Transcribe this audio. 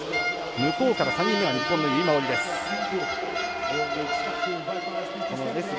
向こうから３人目が日本の由井真緒里です。